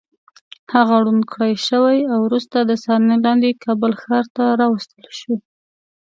هغه ړوند کړی شو او وروسته د څارنې لاندې کابل ښار ته راوستل شو.